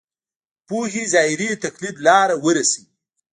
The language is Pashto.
پوهې ظاهري تقلید لاره ورسوي.